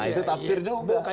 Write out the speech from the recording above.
nah itu tafsirnya